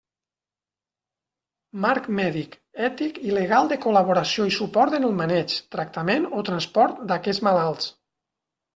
Marc mèdic ètic i legal de col·laboració i suport en el maneig, tractament o transport d'aquests malalts.